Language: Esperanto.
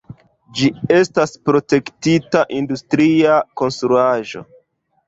Ĝi estas protektita industria konstruaĵo.